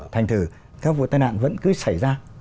thành thử các vụ tai nạn vẫn cứ xảy ra